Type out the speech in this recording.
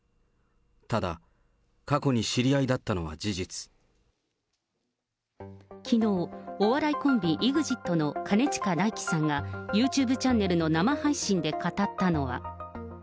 ただ、過去に知り合いだったのはきのう、お笑いコンビ、ＥＸＩＴの兼近大樹さんがユーチューブチャンネルの生配信で語ったのは。